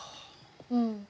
うん。